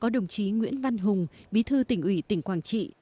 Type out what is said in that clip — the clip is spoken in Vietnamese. đồng chí nguyễn văn hùng bí thư tỉnh ủy tỉnh quảng trị